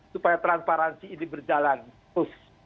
supaya transparansi ini berjalan terus